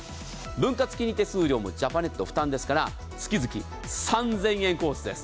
分割金利・手数料もジャパネット負担ですから月々３０００円コースです。